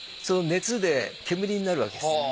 その熱で煙になるわけです。